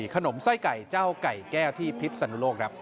ขนมไส้ไก่เจ้าไก่แก้วที่พิษสนุโลกครับ